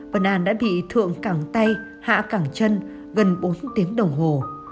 vân anh đã bị thượng cẳng tay hạ cẳng chân gần bốn tiếng đồng hồ